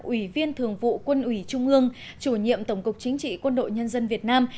ủy viên thường vụ quân ủy trung ương chủ nhiệm tổng cục chính trị quân đội nhân dân việt nam